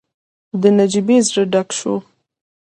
د نجيبې زړه ډک شو.